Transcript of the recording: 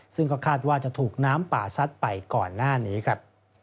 ซึ่งก็คาดว่าจะถูกน้ำป่าซัดไปก่อนหน้านี้ครับ